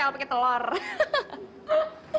ehh kamu ke mana sekarang